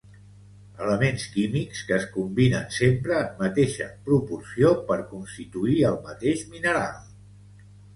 Elements químics que es combinen sempre en mateixa proporció per constituir el mateix mineral